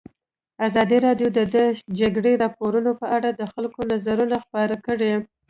ازادي راډیو د د جګړې راپورونه په اړه د خلکو نظرونه خپاره کړي.